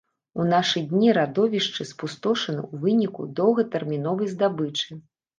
У нашы дні радовішчы спустошаны ў выніку доўгатэрміновай здабычы.